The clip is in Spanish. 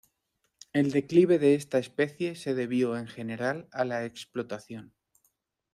El declive de esta especie se debió en general a la explotación.